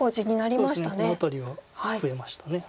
この辺りは増えました。